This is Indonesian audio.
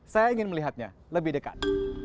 saya ingin melihatnya lebih dekat